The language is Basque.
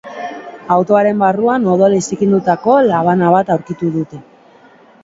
Autoaren barruan odolez zikindutako labana bat aurkitu dute.